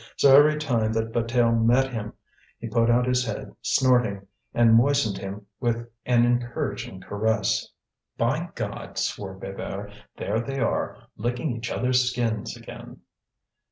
So every time that Bataille met him he put out his head snorting, and moistened him with an encouraging caress. "By God!" swore Bébert, "there they are, licking each other's skins again!"